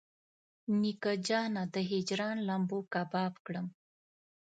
نیکه جانه د هجران لمبو کباب کړم.